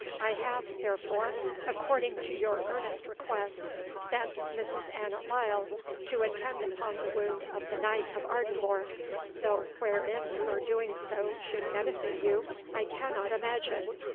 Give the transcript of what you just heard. I have, therefore, according to your earnest request, sent Mrs. Annot Lyle to attend upon the wound of the knight of Ardenvohr, though wherein her doing so should benefit you, I cannot imagine.